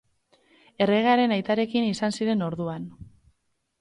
Erregearen aitarekin izan ziren orduan.